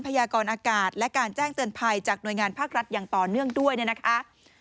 ยากรอากาศและการแจ้งเตือนภัยจากหน่วยงานภาครัฐอย่างต่อเนื่องด้วยเนี่ยนะคะ